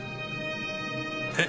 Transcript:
えっ？